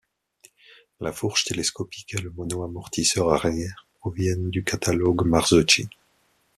La fourche télescopique et le monoamortisseur arrière proviennent du catalogue Marzocchi.